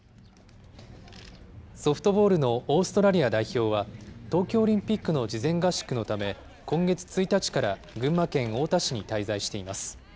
ソフトボールのオーストラリア代表は、東京オリンピックの事前合宿のため、今月１日から群馬県太田市に滞在しています。